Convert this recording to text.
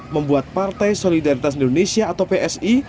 membuat partai solidaritas indonesia atau psi